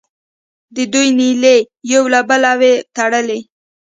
د دوی نیلې یو له بله وې تړلې.